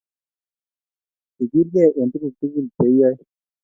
Ikilgei eng' tuguk tugul che iyoe.